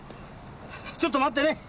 ちょっと待ってね！